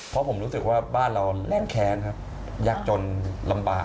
เพราะผมรู้สึกว่าบ้านเราแร่งแค้นครับยากจนลำบาก